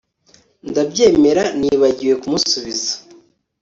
ndabyemera, nibagiwe kumusubiza